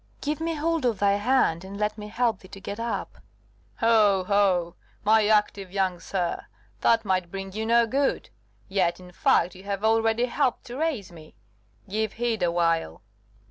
"Give me hold of thy hand, and let me help thee to get up." "Ho, ho! my active young sir, that might bring you no good. Yet, in fact, you have already helped to raise me. Give heed awhile."